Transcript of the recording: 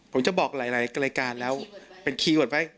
ผมจะบอกหลายรายการแล้วเป็นคีย์เวิร์ดไหม